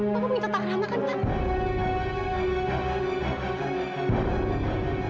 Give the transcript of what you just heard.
bapak minta takrama kan pak